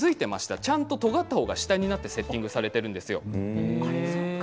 ちゃんととがった方が下になってセッティングされているんですよ。